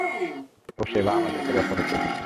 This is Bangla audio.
ও সেবা এবং আমাদেরকে রক্ষা করতে এসেছে।